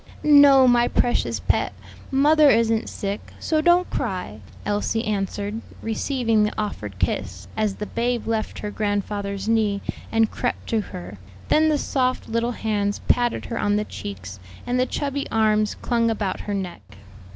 "No, my precious pet, mother isn't sick; so don't cry," Elsie answered, receiving the offered kiss, as the babe left her grandfather's knee and crept to her; then the soft little hands patted her on the cheeks and the chubby arms clung about her neck.